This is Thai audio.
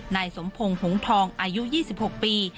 นายสมพงศ์หงทองอายุ๒๖ปี